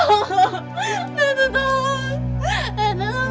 tuhan dia tidak akan menang